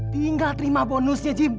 tinggal terima bonusnya jim